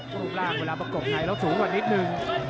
รูปร่างเวลาประกบในแล้วสูงกว่านิดนึง